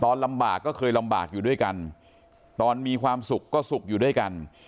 ลำบากก็เคยลำบากอยู่ด้วยกันตอนมีความสุขก็สุขอยู่ด้วยกัน